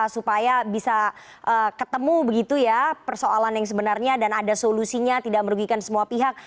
supaya bisa ketemu begitu ya persoalan yang sebenarnya dan ada solusinya tidak merugikan semua pihak